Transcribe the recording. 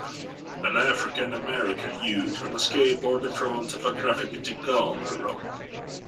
An AfricanAmerican youth on a skateboard in front of a graphic mythical mural.